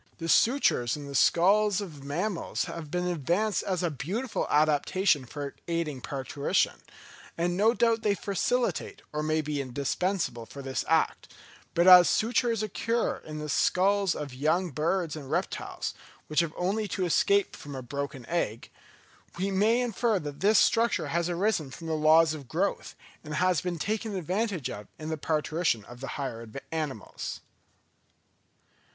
The sutures in the skulls of young mammals have been advanced as a beautiful adaptation for aiding parturition, and no doubt they facilitate, or may be indispensable for this act; but as sutures occur in the skulls of young birds and reptiles, which have only to escape from a broken egg, we may infer that this structure has arisen from the laws of growth, and has been taken advantage of in the parturition of the higher animals.